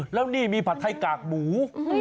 แล้วนี่มีผัดไทยกากหมู